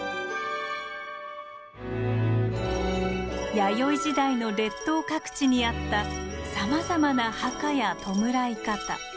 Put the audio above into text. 弥生時代の列島各地にあったさまざまな墓や弔い方。